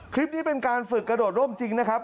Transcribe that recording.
คลิปนี้เป็นการฝึกกระโดดร่มจริงนะครับ